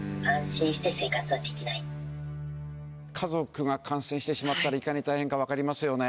家族が感染してしまったらいかに大変か分かりますよね。